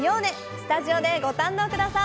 スタジオでご堪能下さい！